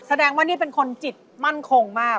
แสดงว่านี่เป็นคนจิตมั่นคงมาก